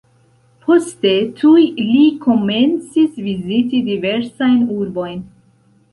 Poste tuj li komencis viziti diversajn urbojn.